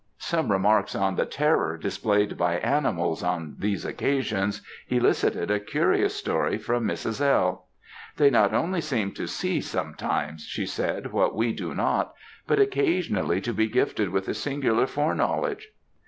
Some remarks on the terror displayed by animals, on these occasions, elicited a curious story from Mrs. L. "They not only seem to see sometimes," she said, "what we do not; but occasionally to be gifted with a singular foreknowledge.